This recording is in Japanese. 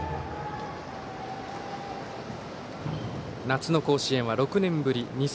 夏の甲子園は６年ぶり。